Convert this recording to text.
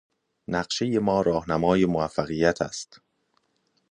نقشهی ما رهنمای موفقیت است.